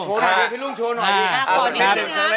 โชคได้ไงพี่รุ่งโชคหน่อยดิ